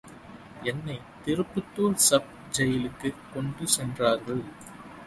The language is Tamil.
என்னை திருப்பத்துர் சப் ஜெயிலுக்குக் கொண்டு சென்றார்கள்.